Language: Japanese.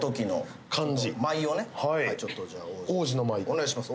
お願いします